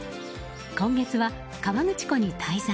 今月は河口湖に滞在。